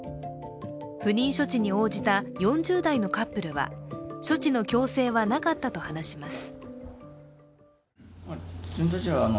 不妊処置に応じた４０代のカップルは処置の強制はなかったと話します。